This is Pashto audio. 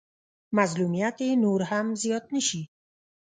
مظلوميت يې نور هم زيات نه شي.